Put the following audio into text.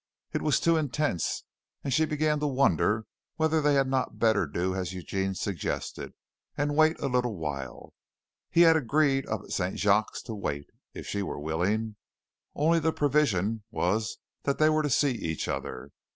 It was too intense, and she began to wonder whether they had not better do as Eugene suggested, and wait a little while. He had agreed up at St. Jacques to wait, if she were willing. Only the provision was that they were to see each other.